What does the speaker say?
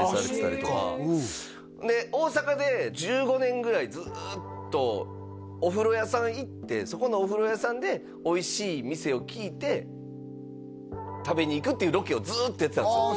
そうかで大阪で１５年ぐらいずっとお風呂屋さん行ってそこのお風呂屋さんでおいしい店を聞いて食べに行くっていうロケをずっとやってたんですよああ